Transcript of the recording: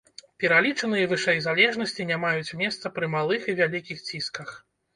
Пералічаныя вышэй залежнасці не маюць месца пры малых і вялікіх цісках.